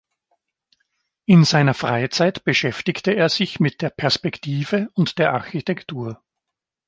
In seiner Freizeit beschäftigte er sich mit der Perspektive und der Architektur.